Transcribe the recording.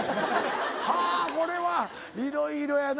はぁこれはいろいろやな。